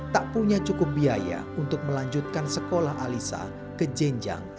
tak punya cukup biaya untuk melanjutkan sekolah alisa ke jenjang sma